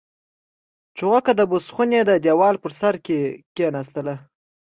چوغکه د بوس خونې د دېوال په سوري کې کېناستله.